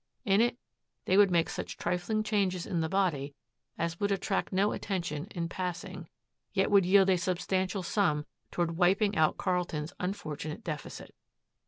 In it they would make such trifling changes in the body as would attract no attention in passing, yet would yield a substantial sum toward wiping out Carlton's unfortunate deficit.